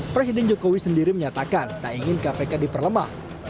presiden jokowi sendiri menyatakan tak ingin kpk diperlemah